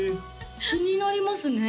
気になりますね